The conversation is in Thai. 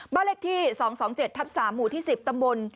บ้านเลขที่๒๒๗ทับ๓หมู่ที่๑๐ตำบล